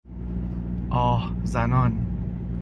آه زنان